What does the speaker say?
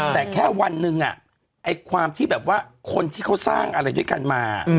แต่แค่วันหนึ่งไอ้ความที่แบบว่าคนที่เขาสร้างอะไรด้วยกันมา